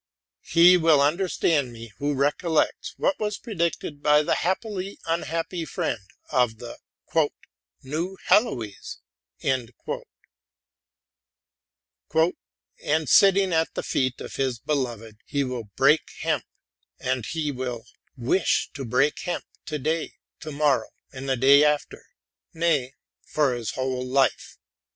He will understand me who recollects what was predicted by the happily un happy friend of '* The New Heloise :'''* And, sitting at the feet of his beloved, he will break hemp; and he will wish to break hemp to day, to morrow, and the day after, — nay, for his whole life.